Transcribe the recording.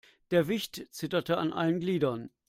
Der Wicht zitterte an allen Gliedern.